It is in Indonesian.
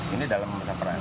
ini dalam masa perang